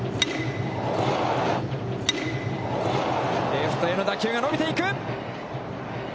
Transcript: レフトへの打球が伸びていく。